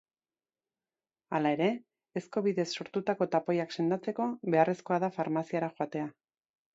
Hala ere, ezko bidez sortutako tapoiak sendatzeko, beharrezkoa da farmaziara joatea.